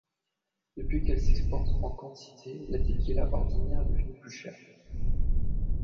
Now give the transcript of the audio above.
Depuis qu'elle s'exporte en quantité, la tequila ordinaire est devenue plus chère.